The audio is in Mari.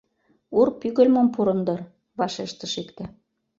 — Ур пӱгыльмым пурын дыр, — вашештыш икте.